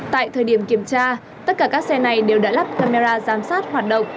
tại thời điểm kiểm tra tất cả các xe này đều đã lắp camera giám sát hoạt động